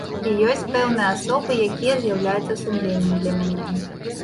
І ёсць пэўныя асобы, якія з'яўляюцца сумленнем для мяне.